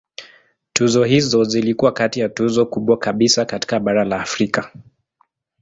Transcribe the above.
Tuzo hizo zilikuwa kati ya tuzo kubwa kabisa katika bara la Afrika.